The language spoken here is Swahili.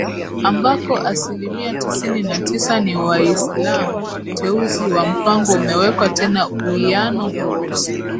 ambako asilimia tisini na tisa ni WaislamuUteuzi wa Mpango umeweka tena uwiano huo